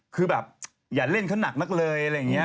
คือแบบอย่าเล่นเขาหนักนักเลยอะไรอย่างนี้